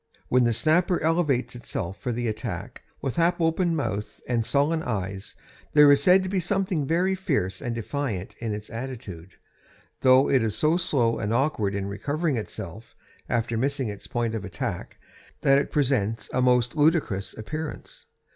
When the snapper elevates itself for the attack, with half open mouth and sullen eyes, there is said to be something fiery and defiant in its attitude, though it is so slow and awkward in recovering itself after missing its point of attack that it presents a most ludicrous appearance.